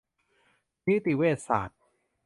นิติเวชศาสตร์